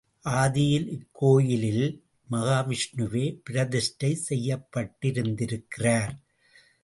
ஆதியில் இக்கோயிலில் மகாவிஷ்ணுவே பிரதிஷ்டை செய்யப்பட்டிருந்திருக்கிறார்.